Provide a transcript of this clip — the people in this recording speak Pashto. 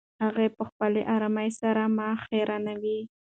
هغه په خپلې ارامۍ سره ما حیرانوي.